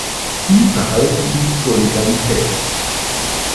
Sie verhalf ihm zur Legalität.